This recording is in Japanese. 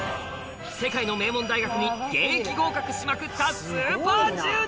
世界の名門大学に現役合格しまくったスーパー１０代！